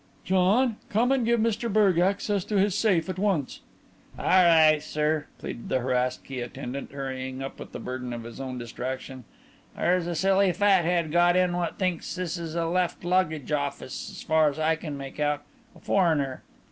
"John, come and give Mr Berge access to his safe at once." "All right, sir," pleaded the harassed key attendant; hurrying up with the burden of his own distraction. "There's a silly fathead got in what thinks this is a left luggage office, so far as I can make out a foreigner."